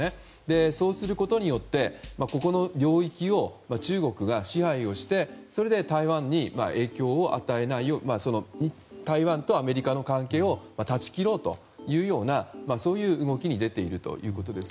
そうすることで、ここの領域を中国が支配をして、それで台湾とアメリカの関係を断ち切ろうというようなそういう動きに出ているということです。